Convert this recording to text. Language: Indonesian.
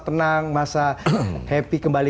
tenang masa happy kembali